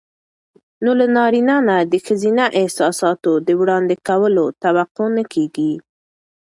نو له نارينه نه د ښځينه احساساتو د وړاندې کولو توقع نه کېږي.